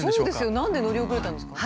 何で乗り遅れたんですか？